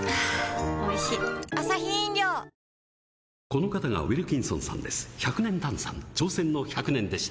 この方がウィルキンソンさんです。